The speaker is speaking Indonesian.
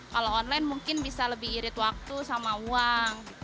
kalau online mungkin bisa lebih irit waktu sama uang